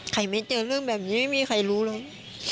ไม่เจอเรื่องแบบนี้ไม่มีใครรู้เลย